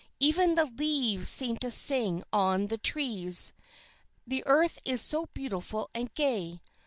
Even the leaves seem to sing on the trees, the earth is so beautiful and gay.